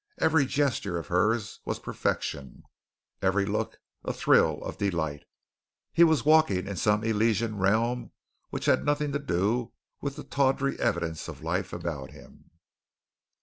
Every gesture of hers was perfection; every look a thrill of delight. He was walking in some elysian realm which had nothing to do with the tawdry evidence of life about him.